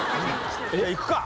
いくか！